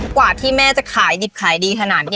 กว่าที่แม่จะขายดิบขายดีขนาดนี้